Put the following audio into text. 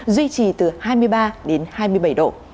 duy trì từ hai mươi ba đến hai mươi bảy độ